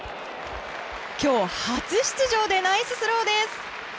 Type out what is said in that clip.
今日初出場でナイススローです。